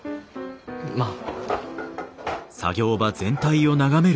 まあ。